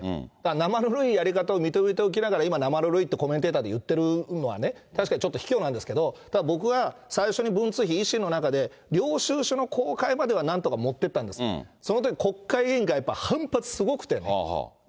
生ぬるいやり方を認めておきながら、今、生ぬるいってコメンテーターで言ってるのは、確かにちょっと卑怯なんですけどね、ただ僕は、最初に文通費、維新の中で領収書の公開まではなんとか持ってったんですよ、そのとき国会議員がやっぱり、反発すごくて。